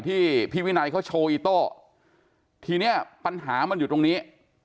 ที่พี่วินัยเขาโชว์อีโต้ทีเนี้ยปัญหามันอยู่ตรงนี้